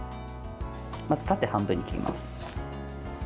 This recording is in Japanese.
まず、縦半分に切ります。